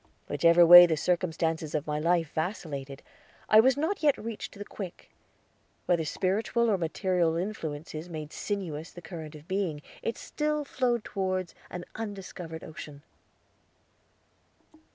Whichever way the circumstances of my life vacillated, I was not yet reached to the quick; whether spiritual or material influences made sinuous the current of being, it still flowed toward an undiscovered ocean.